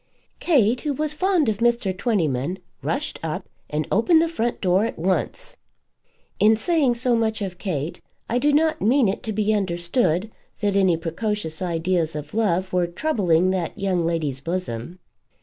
Kate, who was fond of Mr. Twentyman, rushed up and opened the front door at once. In saying so much of Kate, I do not mean it to be understood that any precocious ideas of love were troubling that young lady's bosom.